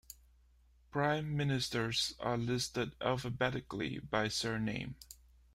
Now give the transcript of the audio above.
Prime Ministers are listed alphabetically by surname.